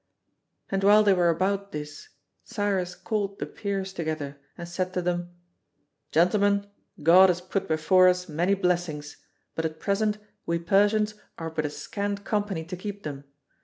And while they were about this, Cyrus called the Peers together and said to them: "Gentlemen, God has put before us many blessings, but at present we Persians are but a scant company to keep them.